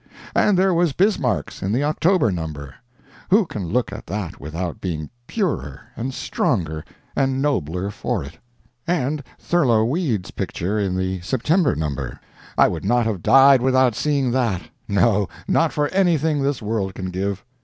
And there was Bismarck's, in the October number; who can look at that without being purer and stronger and nobler for it? And Thurlow and Weed's picture in the September number; I would not have died without seeing that, no, not for anything this world can give.